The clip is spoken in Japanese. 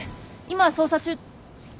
今捜査中。